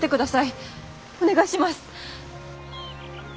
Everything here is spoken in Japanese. お願いします！